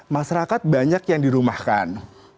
masyarakat banyak yang dirumahkan